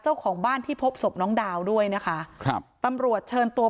เจ้าของบ้านที่พบศพน้องดาวด้วยนะคะครับตำรวจเชิญตัว